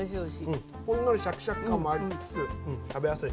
ほんのりシャキシャキ感もありつつ食べやすい。